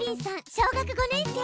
小学５年生。